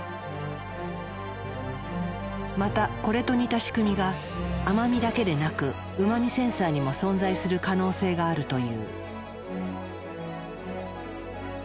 またこれと似た仕組みが甘味だけでなくうま味センサーにも存在する可能性があるという。